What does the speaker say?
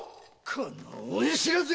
この恩知らずが！